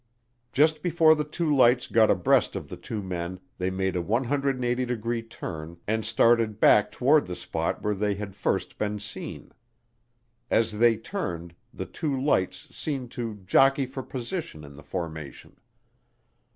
Just before the two lights got abreast of the two men they made a 180 degree turn and started back toward the spot where they had first been seen. As they turned, the two lights seemed to "jockey for position in the formation."